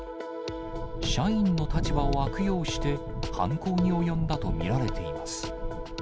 社員の立場を悪用して、犯行に及んだと見られています。